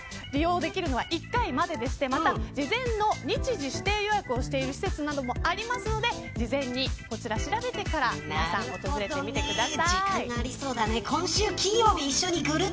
ただし、この各施設の展示が利用できるのは１回まででしてまた、事前の日時指定予約をしている施設などもあるので事前にこちら調べてから皆さん、訪れてみてください。